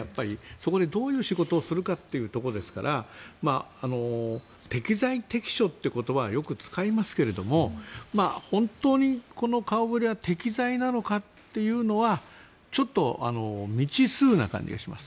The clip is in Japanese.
そこでどういう仕事をするかというところですから適材適所っていう言葉をよく使いますけど本当にこの顔触れは適材なのかというのはちょっと未知数な感じがします。